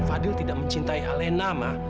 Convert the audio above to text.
fadil tidak mencintai alena ma